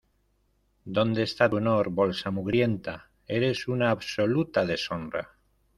¿ Dónde está tu honor, bolsa mugrienta? ¡ eres una absoluta deshonra!